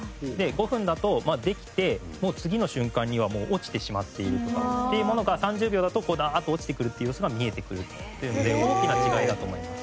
５分だとできてもう次の瞬間にはもう落ちてしまっているとかっていうものが３０秒だとダーッと落ちてくるっていう様子が見えてくるっていうので大きな違いだと思います。